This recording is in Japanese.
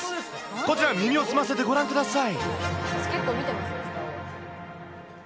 こちら、耳を澄ませてご覧ください。